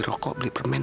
gak ada ya teman teman